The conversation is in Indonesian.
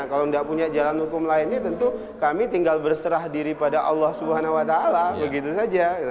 kalau tidak punya jalan hukum lainnya tentu kami tinggal berserah diri pada allah swt begitu saja